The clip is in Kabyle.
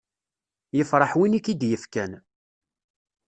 Yefreḥ win i k-id-yefkan.